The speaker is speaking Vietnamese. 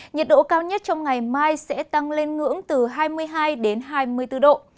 nhiệt độ cao nhất trong ngày mai sẽ tăng lên ngưỡng từ hai mươi hai đến hai mươi bốn độ